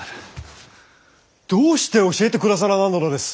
どうして教えて下さらなんだのです！？